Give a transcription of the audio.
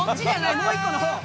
もう１個の方。